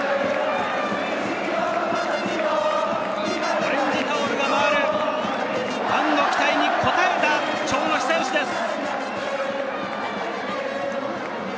オレンジタオルが回る、ファンの期待に応えた長野久義です。